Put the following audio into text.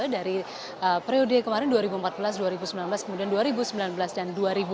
dari periode kemarin dua ribu empat belas dua ribu sembilan belas kemudian dua ribu sembilan belas dan dua ribu dua puluh